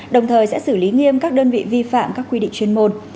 đồng thời sẽ xử lý nghiêm các đơn vị vi phạm các quy định chuyên môn